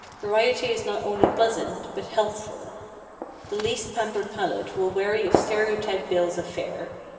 Variety is not only pleasant, but healthful. The least pampered palate will weary of stereotyped bills of fare.